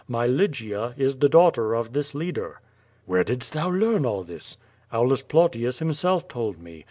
My Lygia is the daughter of this leader.' "Where didst thou learn all this?" "Aulus Plautius himself told me.